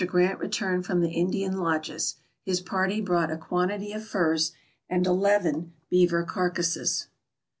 Grant returned from the Indian lodges. His party brought a quantity of furs and eleven beaver carcasses.